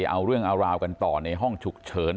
เอาเรื่องเอาราวกันต่อในห้องฉุกเฉิน